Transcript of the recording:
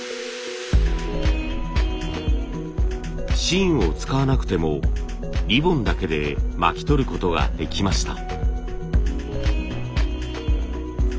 芯を使わなくてもリボンだけで巻きとることができました。